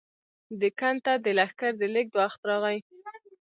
دکن ته د لښکر د لېږد وخت راغی.